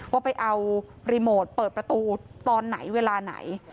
ว่าไปเอารีโมทเปิดประตูตอนไหนเวลาไหน